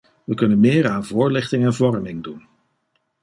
We kunnen meer aan voorlichting en vorming doen.